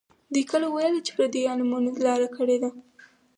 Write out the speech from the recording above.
دوی کله ویل چې پردیو علمونو لاره کړې ده.